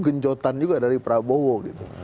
genjotan juga dari prabowo gitu